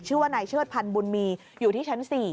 ชื่อว่านายเชิดพันธ์บุญมีอยู่ที่ชั้น๔